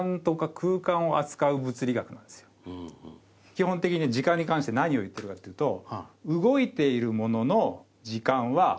基本的に時間に関して何を言っているかっていうと。